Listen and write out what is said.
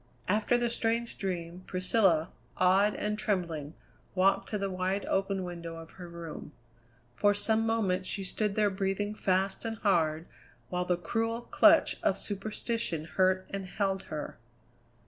After the strange dream, Priscilla, awed and trembling, walked to the wide open window of her room. For some moments she stood there breathing fast and hard while the cruel clutch of superstition hurt and held her.